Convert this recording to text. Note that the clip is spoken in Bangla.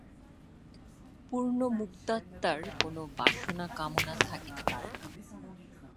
পূর্ণ মুক্তাত্মার কোন বাসনা-কামনা থাকিতে পারে না।